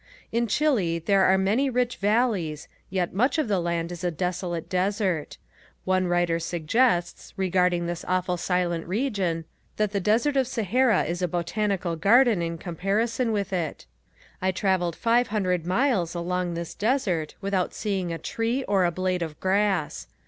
In Chile there are many rich valleys yet much of the land is a desolate desert. One writer suggests regarding this awful silent region that the Desert of Sahara is a botanical garden in comparison with it. I traveled five hundred miles along this desert without seeing a tree or a blade of grass.